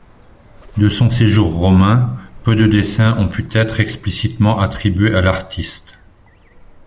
De son séjour romain, peu de dessins ont pu être explicitement attribués à l’artiste.